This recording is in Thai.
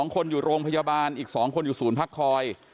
๒คนอยู่โรงพยาบาลอีก๒คนอยู่ศูนย์พักคอย